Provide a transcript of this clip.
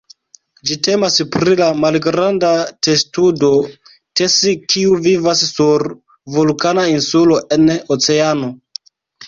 Ĝi temas pri la malgranda testudo "Tesi", kiu vivas sur vulkana insulo en oceano.